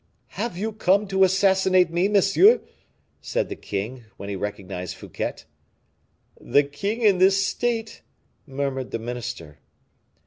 "Have you come to assassinate me, monsieur?" said the king, when he recognized Fouquet. "The king in this state!" murmured the minister.